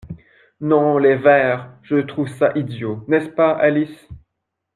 Non les vers, je trouve ça idiot, n’est-ce pas, Alice ?